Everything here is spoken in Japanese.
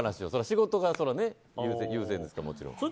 仕事が優先ですから、もちろん。